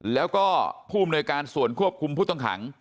แล้วก็ภูมิในการส่วนควบคุมผู้ต้องหัง